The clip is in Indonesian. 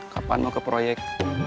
kapan mau ke proyek